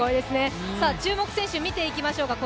注目選手、見ていきましょうか。